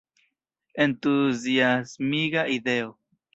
Entuziasmiga ideo….